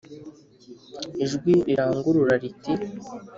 Ijwi rirarangurura riti